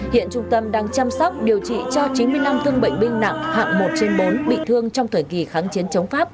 hiện trung tâm đang chăm sóc điều trị cho chín mươi năm thương bệnh binh nặng hạng một trên bốn bị thương trong thời kỳ kháng chiến chống pháp